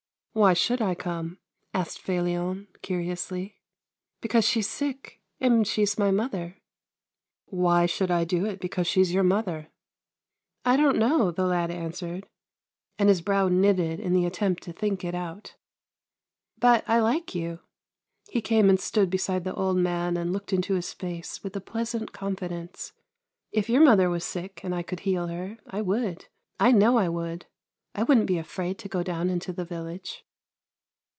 " Why should I come ?" asked Felion, curiously. " Because she's sick, and she's my mother." " Why should I do it because she's your mother ?"" I don't know," the lad answered, and his brow knitted in the attempt to think it out, " but I like you." He came and stood beside the old man and looked into his face with a pleasant confidence. " If your mother was sick, and I could heal her, I would — I know I would — I wouldn't be afraid to go down into the village."